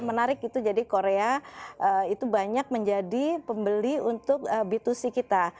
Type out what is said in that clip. menarik itu jadi korea itu banyak menjadi pembeli untuk b dua c kita